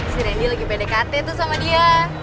si rendy lagi pdkt tuh sama dia